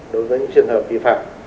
đối với những trường hợp kỳ phạm